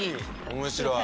面白い！